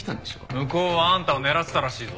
向こうはあんたを狙ってたらしいぞ。